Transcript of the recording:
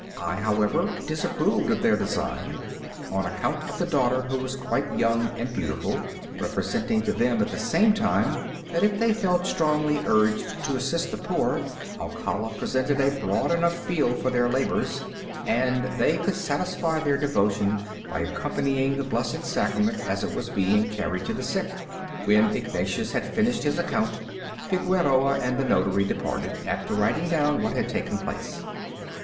I, however, disapproved of their design, on account of the daughter, who was quite young and beautiful, representing to them at the same time that if they felt strongly urged to assist the poor, Alcala presented a broad enough field for their labors, and they could satisfy their devotion by accompanying the Blessed Sacrament as it was being carried to the sick." When Ignatius had finished his account, Figueroa and the notary departed, after writing down what had taken place.